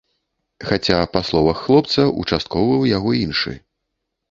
Хаця, па словах хлопца, участковы ў яго іншы.